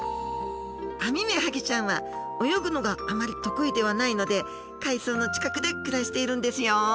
アミメハギちゃんは泳ぐのがあまり得意ではないので海藻の近くで暮らしているんですよ。